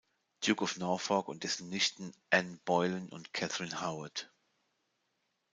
Duke of Norfolk und dessen Nichten Anne Boleyn und Catherine Howard.